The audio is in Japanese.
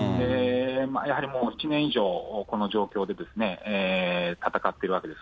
やはりもう、１年以上、この状況で、闘っているわけです。